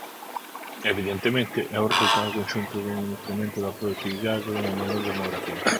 Evidentemente, é o resultado conxunto dun incremento da produtividade e dunha menor demografía.